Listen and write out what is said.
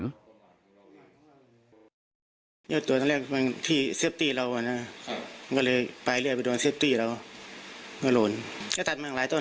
เป็นความประมาทของตัวเองเราคิดว่ามันไม่โดนไงมันโดน